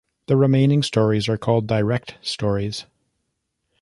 The remaining stories are called "direct" stories.